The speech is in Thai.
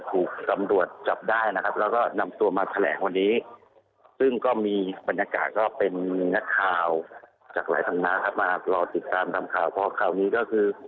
ถูกกมรวศจับได้นะครับแล้วก็